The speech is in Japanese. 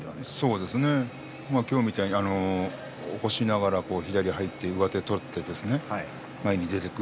そうですね今日みたいに起こしながら左へ入って上手を取ってですね前に出ていく。